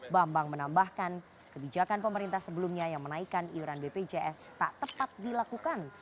bambang menambahkan kebijakan pemerintah sebelumnya yang menaikkan iuran bpjs tak tepat dilakukan